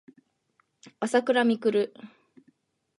あさくらみくる